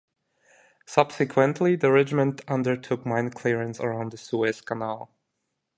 Subsequently, the regiment undertook mine clearance around the Suez Canal.